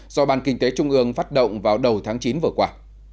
do ban kinh tế trung ương phát động vào đầu tháng chín vừa qua